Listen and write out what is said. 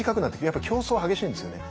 やっぱ競争が激しいんですよね。